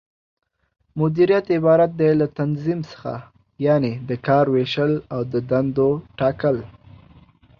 مديريت عبارت دى له تنظيم څخه، یعنې د کار وېشل او د دندو ټاکل